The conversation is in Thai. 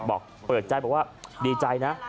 บอกเปิดใจบอกว่าดีใจนะ